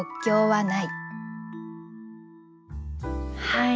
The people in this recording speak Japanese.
はい。